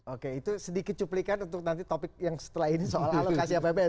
oke itu sedikit cuplikan untuk nanti topik yang setelah ini soal alokasi apbn